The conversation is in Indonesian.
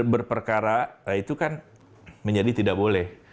berperkara itu kan menjadi tidak boleh